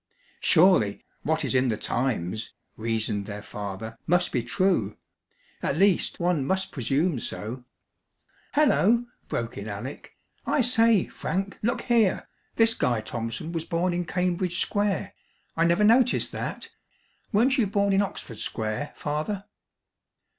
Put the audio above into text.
"Surely, what is in the Times," reasoned their father, "must be true at least one must presume so." "Halloa," broke in Alec. "I say, Frank! Look here! This Guy Thompson was born in Cambridge Square! I never noticed that. Weren't you born in Oxford Square, Father?"